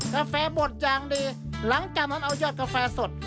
กาแฟบดอย่างดีหลังจากนั้นเอายอดกาแฟสด